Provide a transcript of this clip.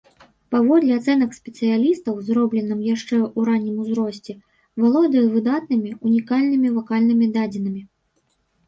Паводле ацэнак спецыялістаў, зробленым яшчэ ў раннім ўзросце, валодае выдатнымі, унікальнымі вакальнымі дадзенымі.